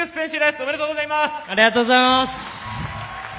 ありがとうございます！